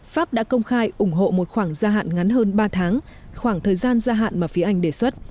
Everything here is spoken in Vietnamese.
pháp đã công khai ủng hộ một khoảng gia hạn ngắn hơn ba tháng khoảng thời gian gia hạn mà phía anh đề xuất